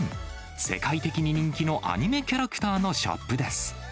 世界的に人気のアニメキャラクターのショップです。